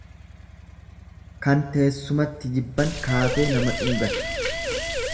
Kan teessumatti jibban kaatee nama dhungatti.